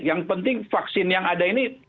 yang penting vaksin yang ada ini